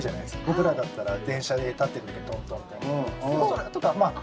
僕らだったら電車で立ってる時トントントンと。